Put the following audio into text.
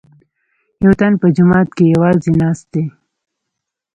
یوتن په جومات کې یوازې ناست دی.